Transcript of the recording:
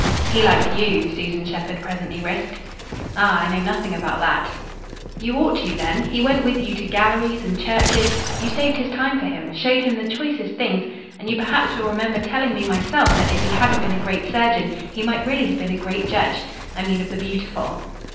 "He liked YOU," Susan Shepherd presently risked. "Ah I know nothing about that." "You ought to then. He went with you to galleries and churches; you saved his time for him, showed him the choicest things, and you perhaps will remember telling me myself that if he hadn't been a great surgeon he might really have been a great judge. I mean of the beautiful."